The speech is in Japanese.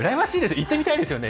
言ってみたいですよね。